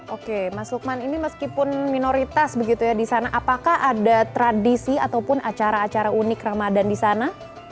oke mas lukman ini meskipun minoritas begitu ya di sana apakah ada tradisi ataupun acara acara unik ramadan di sana